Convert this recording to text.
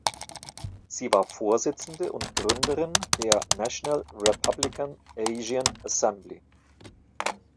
Sie war Vorsitzende und Gründerin der National Republican Asian Assembly.